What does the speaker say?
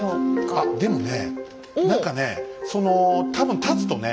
あっでもね何かね多分立つとね